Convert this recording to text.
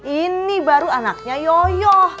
ini baru anaknya yoyo